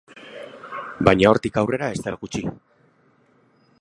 Baina hortik aurrera, ezer gutxi.